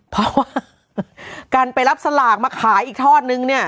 เพราะว่าการไปรับสลากมาขายอีกทอดนึงเนี่ย